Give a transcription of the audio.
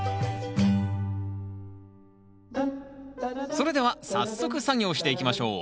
それでは早速作業していきましょう。